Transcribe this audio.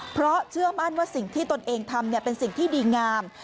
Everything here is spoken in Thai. เพราะเชื่อมั่นว่าสิ่งที่ตนเองทำเป็นสิ่งที่ดีงาม